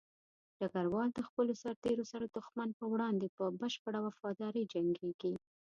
ډګروال د خپلو سرتېرو سره د دښمن په وړاندې په بشپړه وفاداري جنګيږي.